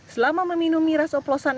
selama meminum miras oplosan